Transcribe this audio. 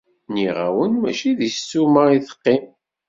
Nniɣ-awen mačči deg ssuma i teqqim!